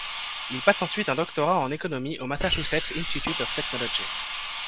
Il passe ensuite un doctorat en économie au Massachusetts Institute of Technology.